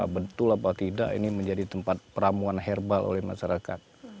betul apa tidak ini menjadi tempat pramuan herbal oleh masyarakat